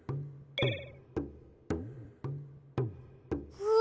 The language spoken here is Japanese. うわ！